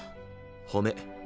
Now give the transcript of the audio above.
褒め。